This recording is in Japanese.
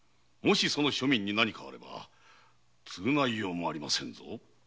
もしその庶民に何かあらば償いようもありませんぞ！